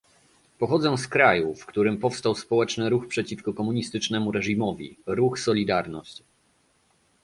Pochodzę z kraju, w którym powstał społeczny ruch przeciwko komunistycznemu reżimowi, ruch Solidarność